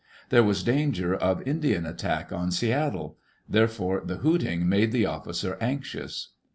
There was danger of Indian attack on Seattle; therefore the hooting made the officer anxious.